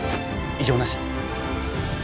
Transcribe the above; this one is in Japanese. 異常なし！